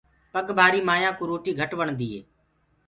پگ ڀآري مآيآ ڪوُ روٽي گھٽ وڻدي هي۔